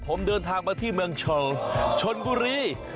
ผมเดินทางมาที่เมืองเชิงชนบุรี